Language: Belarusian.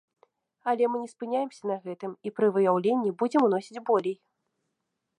Але мы не спыняемся на гэтым, і пры выяўленні будзем уносіць болей.